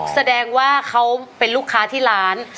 แสดงว่าเขาเป็นลูกค้าที่ร้าน